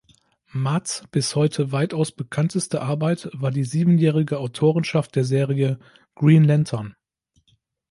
Marz’ bis heute weitaus bekannteste Arbeit war die siebenjährige Autorenschaft der Serie "Green Lantern".